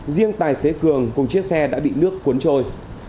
riêng tài xế cường cùng chiếc xe đã bị nước cuốn trôi